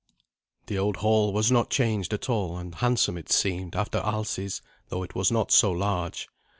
The old hall was not changed at all; and handsome it seemed after Alsi's, though it was not so large.